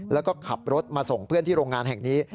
แล้วก็ขับรถมาส่งเพื่อนที่โรงงานแห่งนี้